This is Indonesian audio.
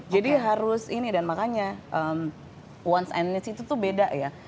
jadi harus ini dan makanya wants and needs itu tuh beda ya